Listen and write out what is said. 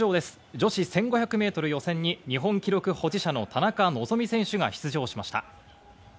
女子１５００ｍ予選に日本記録保持者の田中希実選手が出場しました。